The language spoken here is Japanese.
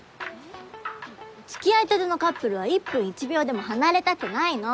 付き合いたてのカップルは１分１秒でも離れたくないの！